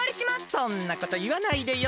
そんなこといわないでよ。